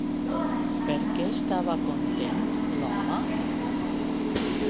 Per què estava content l'home?